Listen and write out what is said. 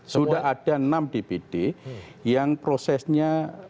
sudah ada enam dpd yang prosesnya